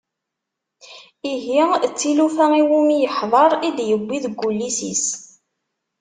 Ihi d tilufa iwumi yeḥḍer i d-yewwi deg wullis-is.